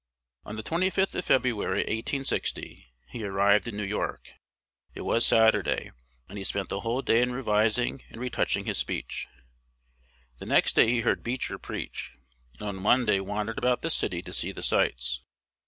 On the 25th of February, 1860, he arrived in New York. It was Saturday, and he spent the whole day in revising and retouching his speech. The next day he heard Beecher preach, and on Monday wandered about the city to see the sights.